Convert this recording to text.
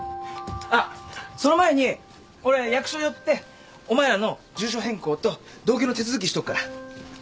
あっその前に俺役所寄ってお前らの住所変更と同居の手続きしとくから。